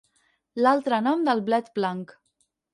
L'altre nom del blet blanc.